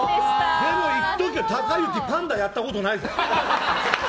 でも言っとくと、孝之はパンダやったことないぞ！